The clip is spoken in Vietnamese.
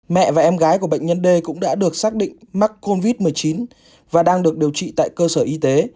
mẹ và em gái của bệnh nhân d cũng đã được xác định mắc covid một mươi chín và đang được điều trị tại cơ sở y tế